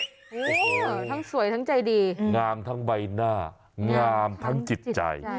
ทั้งสวยทั้งใจดีงามทั้งใบหน้างามทั้งจิตใจ